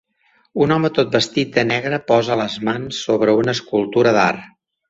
Un home tot vestit de negre posa les mans sobre una escultura d'art.